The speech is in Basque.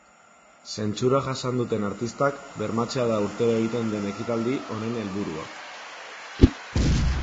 Zentsura jasan duten artistak bermatzea da urtero egiten den ekitaldi honen helburua.